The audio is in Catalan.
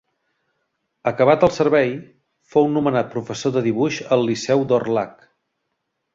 Acabat el servei, fou nomenat professor de dibuix al liceu d'Orlhac.